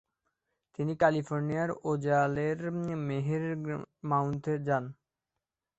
তিনি ক্যালিফোর্নিয়ার ওজালের মেহের মাউন্ডে যান।